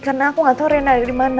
karena aku gak tau rena ada dimana